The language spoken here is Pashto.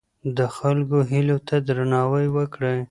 د خلکو هیلو ته درناوی وکړئ.